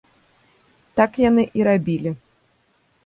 Так яны і рабілі.